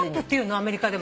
アメリカでも。